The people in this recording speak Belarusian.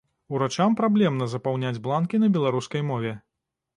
Урачам праблемна запаўняць бланкі на беларускай мове.